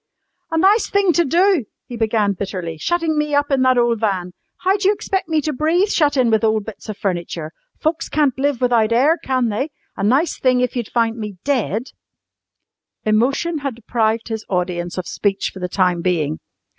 ] "A nice thing to do!" he began bitterly. "Shuttin' me up in that ole van. How d'you expect me to breathe, shut in with ole bits of furniture. Folks can't live without air, can they? A nice thing if you'd found me dead!" Emotion had deprived his audience of speech for the time being.